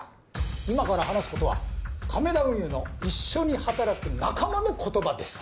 今から話すことは亀田運輸の一緒に働く仲間の言葉です。